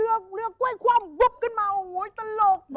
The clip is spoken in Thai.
แล้วรือก้วยความกุบกึ่งมาแล้วหนูไม่เล่นแล้วก็เรือเกลื่อก้วยความกุบกึ่งมา